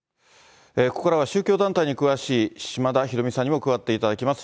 ここからは宗教団体に詳しい、島田裕巳さんにも加わっていただきます。